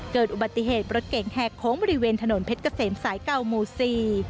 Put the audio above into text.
เกิดอุบัติเหตุรถเก่งแหกโค้งบริเวณถนนเพชรเกษมสายเก่าหมู่สี่